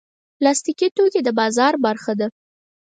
پلاستيکي توکي د بازار برخه ده.